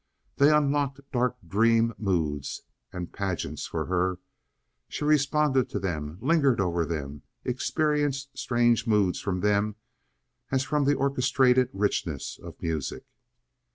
They unlocked dark dream moods and pageants for her. She responded to them, lingered over them, experienced strange moods from them as from the orchestrated richness of music.